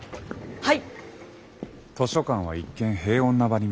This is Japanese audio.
はい！